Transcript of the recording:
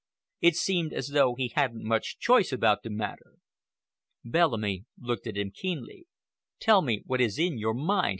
It seemed as though he hadn't much choice about the matter." Bellamy looked at him keenly. "Tell me what is in your mind?"